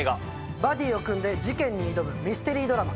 バディーを組んで事件に挑むミステリードラマ。